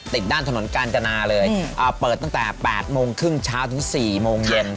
ติดด้านถนนกาญจนาเลยเปิดตั้งแต่๘โมงครึ่งเช้าถึง๔โมงเย็น